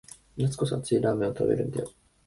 夏こそ熱いラーメンを食べるんだよ